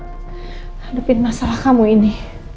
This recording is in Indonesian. hadepin masalah kamu ini